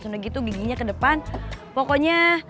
sudah gitu giginya ke depan pokoknya